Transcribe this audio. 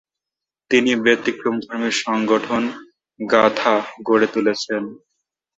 তিনি ব্যতিক্রমধর্মী সংগঠন "গাঁথা" গড়ে তুলেছেন।